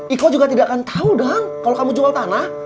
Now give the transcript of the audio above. iko juga tidak akan tahu dong kalau kamu jual tanah